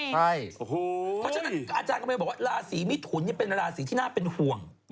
เพราะฉะนั้นอาจารย์กำลังบอกว่าราศีมิถุนเป็นราศีที่น่าเป็นห่วง